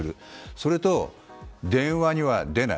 それと電話には出ない。